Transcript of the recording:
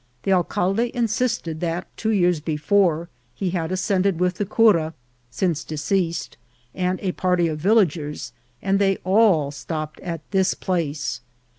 The^alcalde insisted that two years before he had ascended with the cura, since deceased, and a party of villagers, and they all stopped at this place.